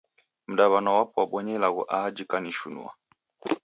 Mdaw'ana wapo wabonya ilagho aha jikanishinua!